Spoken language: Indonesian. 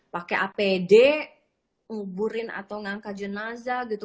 pakai apd nguburin atau ngangkat jenazah gitu